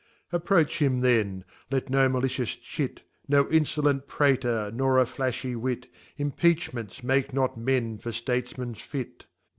Approach him then, let no malitious Chit, No infblent Prater, nor a flamy Wit, Impeachments make not men for States men fit.